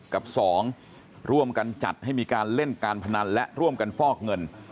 กับ๒ร่วมกันจัดให้มีการเล่นการพนันและร่วมกันฟอกเงิน